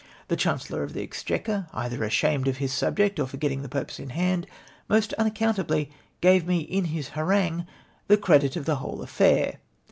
The Chancellor of the Exchequer, either ashamed of his subject,. or forgetting the purpose in hand, most unac countably gave me in his harangue the credit of the ichole affair